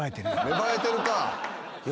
芽生えてるか！？